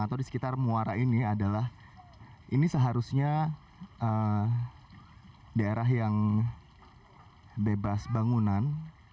atau di sekitar muara ini adalah ini seharusnya daerah yang bebas bangunan